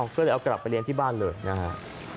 ก็เลยเอากลับไปเลี้ยงที่บ้านเลยนะครับ